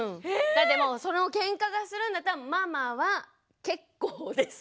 だってもうそのケンカするんだったら「ママは結構です」